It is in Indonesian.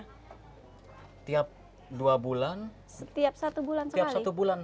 setiap dua bulan setiap satu bulan setiap satu bulan